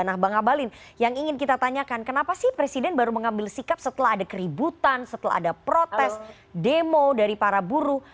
nah bang abalin yang ingin kita tanyakan kenapa sih presiden baru mengambil sikap setelah ada keributan setelah ada protes demo dari para buruh